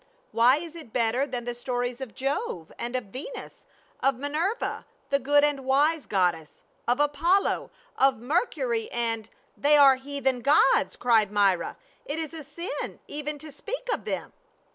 " Why is it better than the stories of Jove and of Venus, of Minerva — the good and wise goddess, of Apollo, of Mercury, and —" "They are heathen gods," cried Myra. "It is a sin even to speak of them